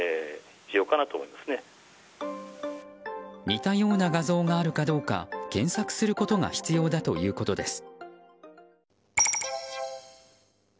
似たような画像があるかどうか検索することが必要だということです。